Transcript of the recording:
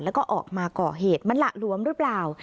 แล้วก็ออกมาก่อเหตุมันหละหลวมหรือเปล่า